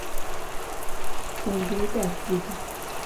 Puonjri dak gi jii